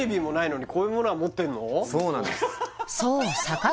そうなんです